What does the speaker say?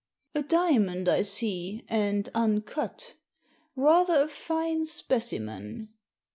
"A diamond, I see, and uncut Rather a fine specimen."